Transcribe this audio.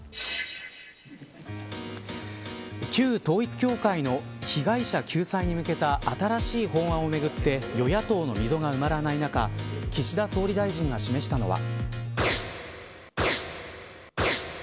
旧統一教会の被害者救済に向けた新しい法案をめぐって与野党の溝が埋まらない中岸田総理大臣が示したのは。